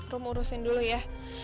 ruh urusin dulu ya